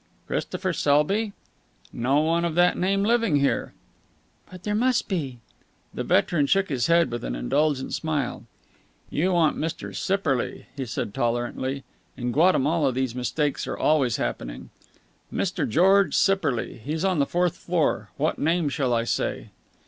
"Christopher Selby? No one of that name living here." "But there must be." The veteran shook his head with an indulgent smile. "You want Mr. Sipperley," he said tolerantly. In Guatemala these mistakes are always happening. "Mr. George Sipperley. He's on the fourth floor. What name shall I say?"